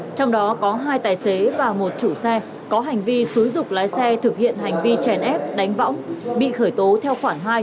trong đó có hai tài xế và một chủ xe có hành vi xúi dục lái xe thực hiện hành vi chèn ép đánh võng bị khởi tố theo khoảng hai